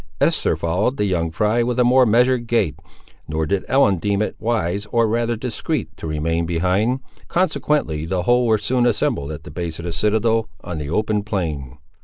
Esther followed the young fry with a more measured gait; nor did Ellen deem it wise, or rather discreet, to remain behind. Consequently, the whole were soon assembled at the base of the citadel, on the open plain.